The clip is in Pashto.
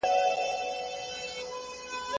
د ټولنپوهنې مفهوم لپاره تعریف څه دی؟